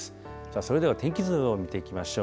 それでは天気図を見ていきましょう。